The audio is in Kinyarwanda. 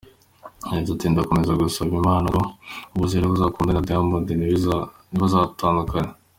Yagize ati “Ndakomeza gusaba Imana ngo uwo Zari akundane na Diamond ntibazatandukane.